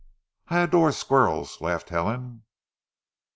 "I adore squirrels," laughed Helen.